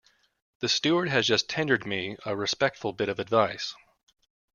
The steward has just tendered me a respectful bit of advice.